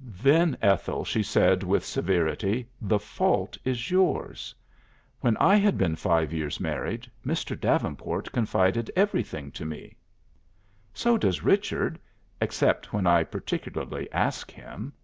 "Then, Ethel," she laid with severity, "the fault is yours. When I had been five years married, Mr. Davenport confided everything to me." "So does Richard. Except when I particularly ask him."